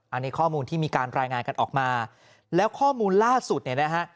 อันนี้ข้อมูลที่มีการรายงานกันออกมาแล้วข้อมูลล่าสุดเนี่ยนะฮะ